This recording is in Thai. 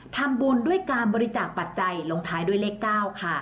ทำบุญด้วยการบริจาคปัจจัยลงท้ายด้วยเลข๙ค่ะ